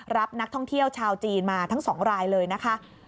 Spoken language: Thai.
รับนักท่องเที่ยวชาวจีนมาทั้ง๒รายเลยนะคะ